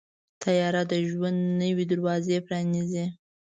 طیاره د ژوند نوې دروازې پرانیزي.